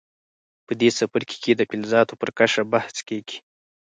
په دې څپرکي کې د فلزاتو پر کشف بحث کیږي.